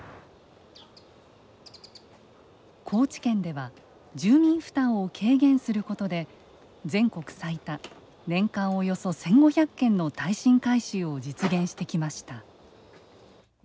高知県では住民負担を軽減することで全国最多年間およそ１５００件の耐震改修を実現してきました。